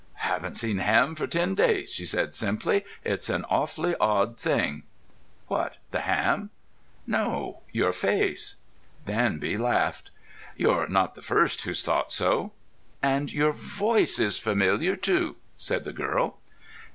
"Haven't seen ham for ten days," she said simply. "It's an awfully odd thing." "What? The ham?" "No; your face." Danby laughed. "You're not the first who's thought so." "And your voice is familiar, too," said the girl.